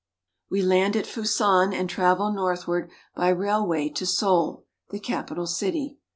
We land at Fusan and travel northward by railway to Seoul (se ool'), the capital city.